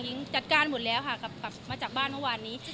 จัดการหมดแล้วค่ะกลับมาจากบ้านเมื่อวานนี้